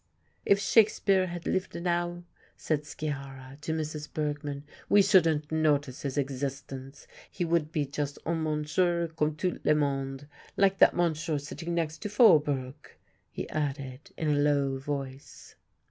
"If Shakespeare had lived now," said Sciarra to Mrs. Bergmann, "we shouldn't notice his existence; he would be just un monsieur comme tout le monde like that monsieur sitting next to Faubourg," he added in a low voice.